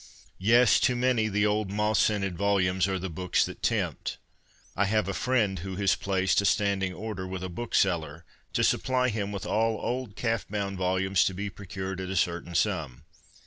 Yes, to many the old ' moth scented ' volumes are the books that tempt. I have a friend who has placed a standing order with a bookseller to supply him with all old calf bound volumes to be procured at a certain sum.